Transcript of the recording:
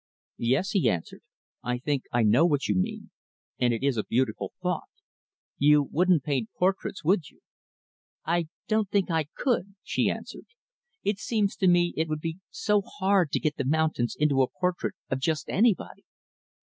"Yes," he answered, "I think I know what you mean; and it is a beautiful thought. You wouldn't paint portraits, would you?" "I don't think I could," she answered. "It seems to me it would be so hard to get the mountains into a portrait of just anybody.